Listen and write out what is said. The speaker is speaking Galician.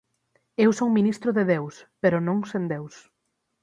Eu son ministro de Deus, pero non sen Deus.